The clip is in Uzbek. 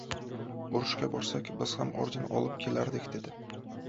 — Urushga borsak, biz ham orden olib kelardik, — dedi.